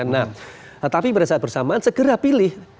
nah tapi pada saat bersamaan segera pilih